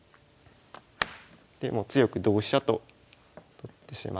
で強く同飛車と取ってしまって。